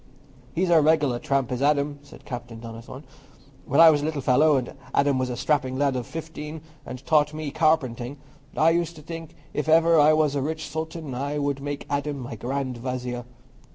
"He's a regular trump, is Adam," said Captain Donnithorne. "When I was a little fellow, and Adam was a strapping lad of fifteen, and taught me carpentering, I used to think if ever I was a rich sultan, I would make Adam my grand vizier.